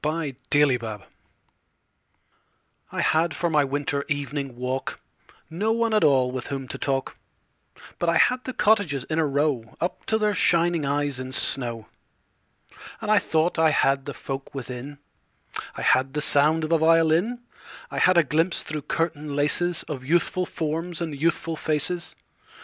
Good Hours I HAD for my winter evening walk No one at all with whom to talk, But I had the cottages in a row Up to their shining eyes in snow. And I thought I had the folk within: I had the sound of a violin; I had a glimpse through curtain laces Of youthful forms and youthful faces.